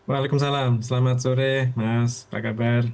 waalaikumsalam selamat sore mas apa kabar